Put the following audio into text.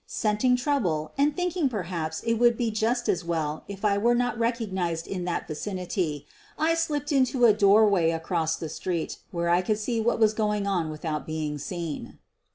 Scenting trouble and thinking perhaps it would be just as well if I were not recognized in that vi cinity I slipped into a doorway across the street where I could see what was going on without being seen.